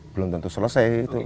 belum tentu selesai